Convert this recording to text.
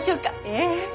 ええ。